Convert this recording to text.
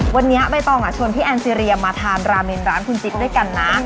วันนี้ใบตองชวนพี่แอนซีเรียมาทานราเมนร้านคุณจิ๊กด้วยกันนะ